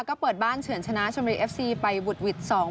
ก็เปิดบ้านเฉินชนะชนบุรีเอฟซีไปบุดหวิด๒๐